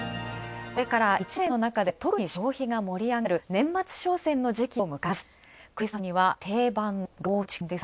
これから、１年の中で特に消費が盛り上る年末商戦の時期を迎えます。